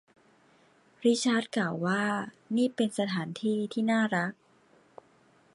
ริชาร์ดกล่าวว่านี่เป็นสถานที่ที่น่ารัก